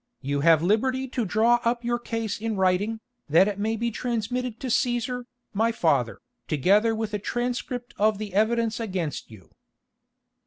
You have liberty to draw up your case in writing, that it may be transmitted to Cæsar, my father, together with a transcript of the evidence against you."